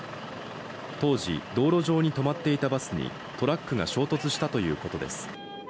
当時、道路上に止まっていたバスにトラックが衝突したということです。